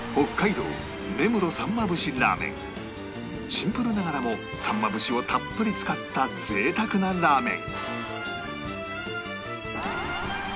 シンプルながらもさんま節をたっぷり使った贅沢なラーメン